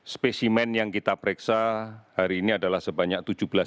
spesimen yang kita periksa hari ini adalah sebanyak tujuh belas dua ratus tiga puluh